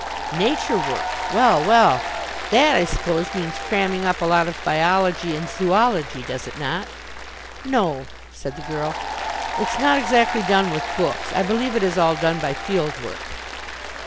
"Nature Work? Well! Well! That, I suppose, means cramming up a lot of biology and zoology, does it not?" "No," said the girl, "it's not exactly done with books. I believe it is all done by Field Work."